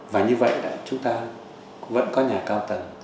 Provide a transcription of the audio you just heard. và như vậy chúng ta vẫn có nhà cao tầng